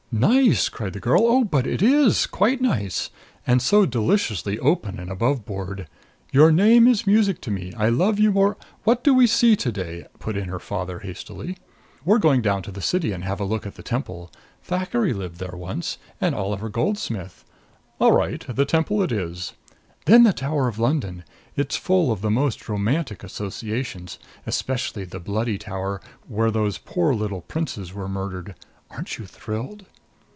"Nice!" cried the girl. "Oh, but it is quite nice. And so deliciously open and aboveboard. 'Your name is music to me. I love you more '" "What do we see to day?" put in her father hastily. "We're going down to the City and have a look at the Temple. Thackeray lived there once and Oliver Goldsmith " "All right the Temple it is." "Then the Tower of London. It's full of the most romantic associations. Especially the Bloody Tower, where those poor little princes were murdered. Aren't you thrilled?"